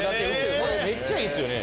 これめっちゃいいっすよね。